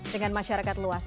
dengan masyarakat luas